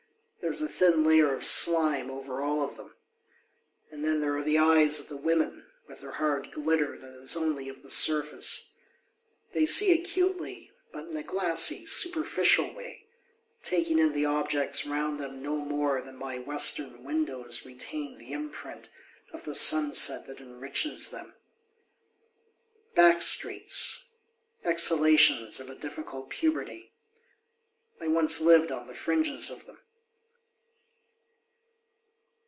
There is a thin layer of slime over all of them. And then there are the eyes of the women, with their hard glitter that is only of the surface. They see acutely, but in a glassy, superficial way, taking in the objects round them no more than my western windows retain the imprint of the sunset that enriches them. Back streets, exhalations of a difficulty puberty, I once lived on the fringes of them.